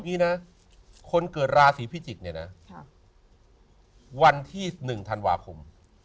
มีนะคนเกิดราศีพิจิตรเนี่ยนะวันที่๑ธันวาคม